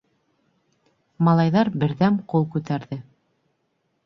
Малайҙар берҙәм ҡул күтәрҙе.